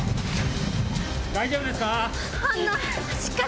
大丈夫ですか？